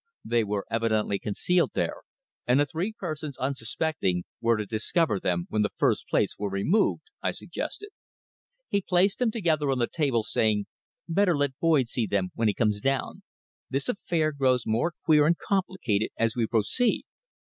"They were evidently concealed there, and the three persons, unsuspecting, were to discover them when the first plates were removed," I suggested. He placed them together on the table, saying "Better let Boyd see them when he comes down. The affair grows more queer and complicated as we proceed."